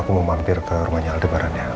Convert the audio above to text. aku mau mampir ke rumahnya aldebaran ya